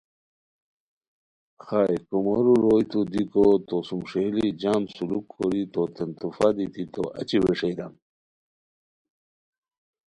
خائے کومورو روئیتو دیکو تو سُوم ݰئیلی جام سلوک کوری توتین تخفہ دیتی تو اچی ویݰیران